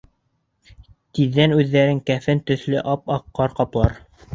Тиҙҙән үҙҙәрен кәфен төҫлө ап-аҡ ҡар ҡаплар.